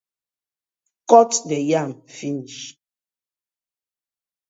Kot de yam finish.